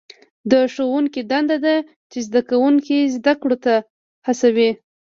د ښوونکي دنده ده چې زده کوونکي زده کړو ته هڅوي.